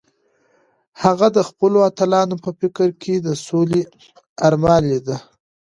هغه د خپلو اتلانو په فکر کې د سولې ارمان لیده.